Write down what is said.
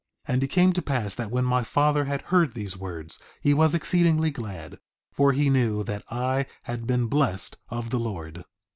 3:8 And it came to pass that when my father had heard these words he was exceedingly glad, for he knew that I had been blessed of the Lord.